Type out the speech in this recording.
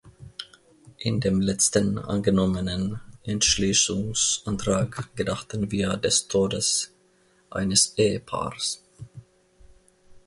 In dem letzten angenommenen Entschließungsantrag gedachten wir des Todes eines Ehepaars.